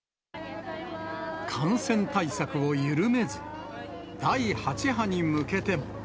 感染対策を緩めず、第８波に向けても。